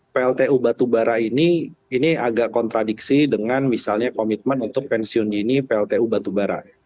pltu batubara ini ini agak kontradiksi dengan misalnya komitmen untuk pensiun dini pltu batubara